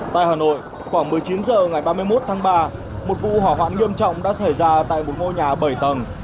tại hà nội khoảng một mươi chín h ngày ba mươi một tháng ba một vụ hỏa hoạn nghiêm trọng đã xảy ra tại một ngôi nhà bảy tầng